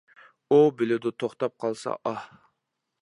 ئۇ بىلىدۇ، توختاپ قالسا ئاھ!